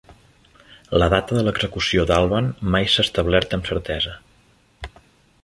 La data de l'execució d'Alban mai s'ha establert amb certesa.